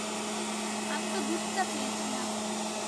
আমি তো দুধ চা চেয়েছিলাম।